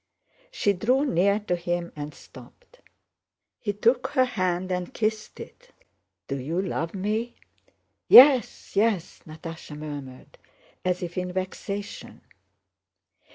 She drew near to him and stopped. He took her hand and kissed it. "Do you love me?" "Yes, yes!" Natásha murmured as if in vexation.